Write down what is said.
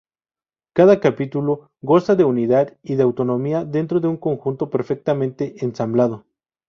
Cada capítulo goza de unidad y de autonomía dentro de un conjunto perfectamente ensamblado.